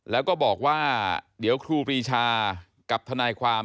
แล้วก็บอกว่าเดี๋ยวครูปรีชากับทนายความ